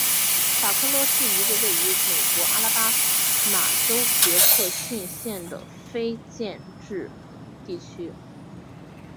法克勒是一个位于美国阿拉巴马州杰克逊县的非建制地区。